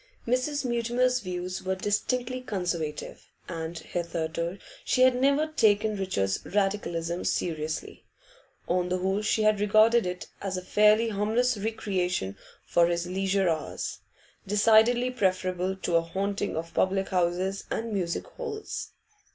Mrs. Mutimer's views were distinctly Conservative, and hitherto she had never taken Richard's Radicalism seriously; on the whole she had regarded it as a fairly harmless recreation for his leisure hours decidedly preferable to a haunting of public houses and music halls.